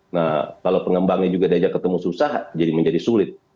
nah kalau pengembangnya juga diajak ketemu susah jadi menjadi sulit